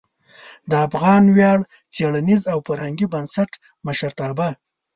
د افغان ویاړ څیړنیز او فرهنګي بنسټ مشرتابه